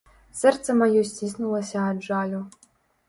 Сэрца маё сціснулася ад жалю.